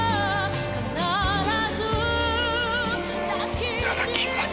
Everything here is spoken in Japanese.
いただきます。